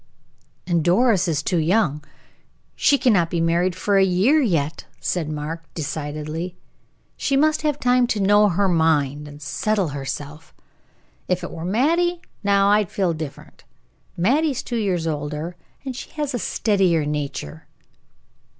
"And Doris is too young. She cannot be married for a year yet," said Mark, decidedly. "She must have time to know her mind and to settle herself. If it were Mattie now, I'd feel different. Mattie is two years older, and she has a steadier nature."